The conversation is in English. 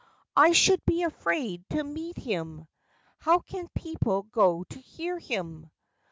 " I should be afraid to meet him — How can people go to hear him!